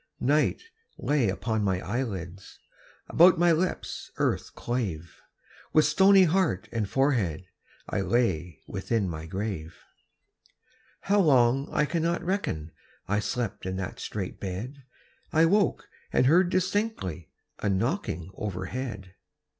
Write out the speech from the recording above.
Night lay upon my eyelids, About my lips earth clave; With stony heart and forehead I lay within my grave. How long I cannot reckon, I slept in that strait bed; I woke and heard distinctly A knocking overhead.